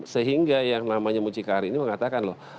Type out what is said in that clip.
sehingga yang namanya mucikari ini mengatakan loh